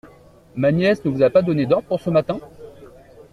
Ma nièce ne vous a pas donné d’ordres pour ce matin ?